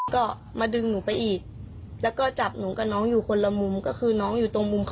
ก็มาดึงหนูไปอีกแล้วก็จับหนูกับน้องอยู่คนละมุมก็คือน้องอยู่ตรงมุมคอ